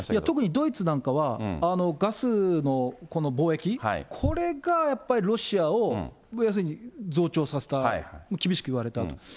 特にドイツなんかは、ガスの貿易、これがやっぱりロシアを、要するに増長させた、厳しく言われたと。